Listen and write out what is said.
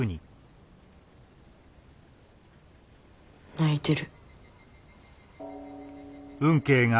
泣いてる。